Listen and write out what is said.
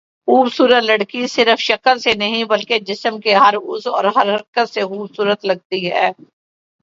خوبصورت لڑکی صرف شکل سے نہیں بلکہ جسم کے ہر عضو اور ہر حرکت سے خوبصورت لگتی ہے